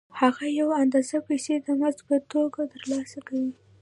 هغه یوه اندازه پیسې د مزد په توګه ترلاسه کوي